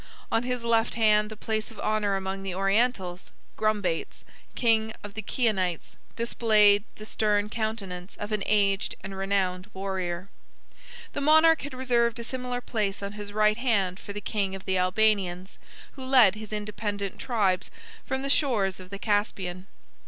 On his left hand, the place of honor among the Orientals, Grumbates, king of the Chionites, displayed the stern countenance of an aged and renowned warrior. The monarch had reserved a similar place on his right hand for the king of the Albanians, who led his independent tribes from the shores of the Caspian.